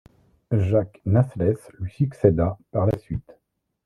Jacques Naslès lui succéda par la suite.